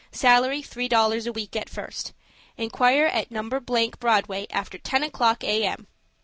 Salary three dollars a week at first. Inquire at No. — Broadway, after ten o'clock, A.M."